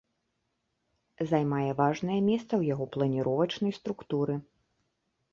Займае важнае месца ў яго планіровачнай структуры.